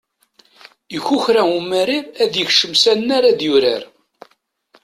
Ikukra umarir ad yekcem s anrar ad yurar.